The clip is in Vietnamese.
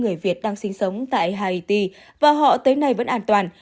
tám mươi người việt đang sinh sống tại haiti và họ tới nay vẫn an toàn